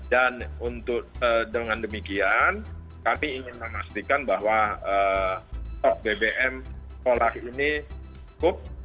dan dengan demikian kami ingin memastikan bahwa stok bbm solar ini cukup